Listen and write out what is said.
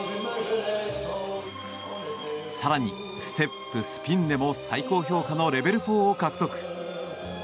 更に、ステップ、スピンでも最高評価のレベル４を獲得。